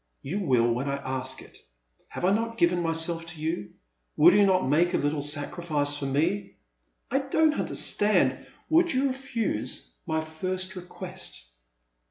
You will when I ask it. Have I not given myself to you? Will you not make a little sacrij&ce for me?*' " I don*t understand —"Would you refuse my j&rst request